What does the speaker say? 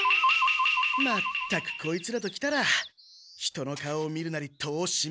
まったくこいつらときたら人の顔を見るなり戸をしめるんだから。